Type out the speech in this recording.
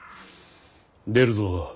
出るぞ。